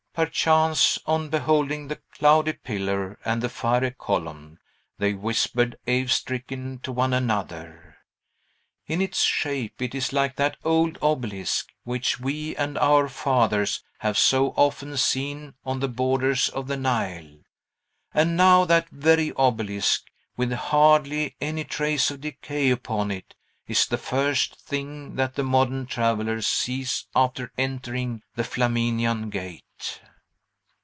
Perchance, on beholding the cloudy pillar and the fiery column, they whispered awestricken to one another, "In its shape it is like that old obelisk which we and our fathers have so often seen on the borders of the Nile." And now that very obelisk, with hardly a trace of decay upon it, is the first thing that the modern traveller sees after entering the Flaminian Gate!